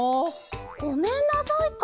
「ごめんなさい」か！